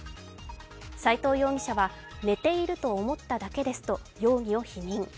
斉藤容疑者は、寝ていると思っただけですと容疑を否認。